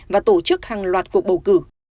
và tổ chức hàng loạt cuộc bầu cử